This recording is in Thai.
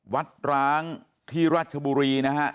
ร้างที่ราชบุรีนะฮะ